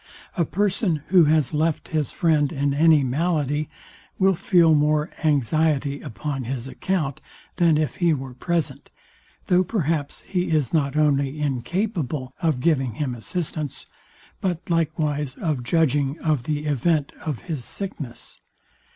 A person, who has left his friend in any malady, will feel more anxiety upon his account, than if he were present, though perhaps he is not only incapable of giving him assistance, but likewise of judging of the event of his sickness.